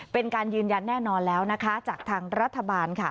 เป็นการยืนยันแน่นอนแล้วนะคะจากทางรัฐบาลค่ะ